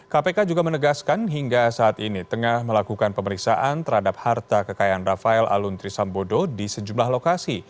kpk juga menegaskan hingga saat ini tengah melakukan pemeriksaan terhadap harta kekayaan rafael aluntri sambodo di sejumlah lokasi